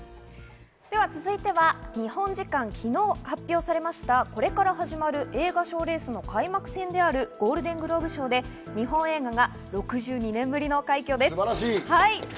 続いては日本時間昨日発表されました、これから始まる映画賞レースの開幕戦であるゴールデングローブ賞で日本映画が６２年ぶりの快挙です。